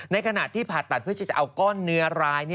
ขณะที่ผ่าตัดเพื่อที่จะเอาก้อนเนื้อร้าย